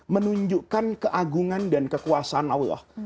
menunjukkan keagungan dan kekuasaan allah